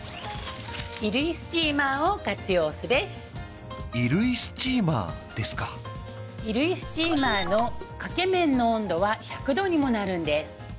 衣類スチーマーですか衣類スチーマーのかけ面の温度は１００度にもなるんです